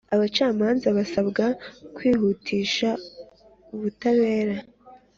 Abacamanza basabwa kwihutisha ubutabera